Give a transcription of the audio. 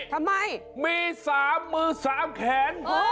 ทำไมมี๓มือ๓แขน